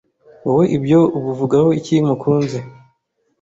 Wowe ibyo ubuvugaho iki mukunzi.